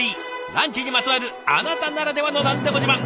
ランチにまつわるあなたならではの何でも自慢